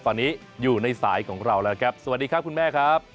ตอนนี้อยู่ในสายของเราสวัสดีครับคุณแม่